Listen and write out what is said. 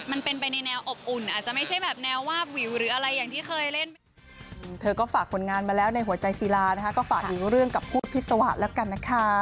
มันเป็นไปในแนวอบอุ่นอาจจะไม่ใช่แบบแนววาบวิวหรืออะไรอย่างที่เคยเล่น